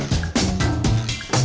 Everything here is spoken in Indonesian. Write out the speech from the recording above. ini kalian ada yang mau nggak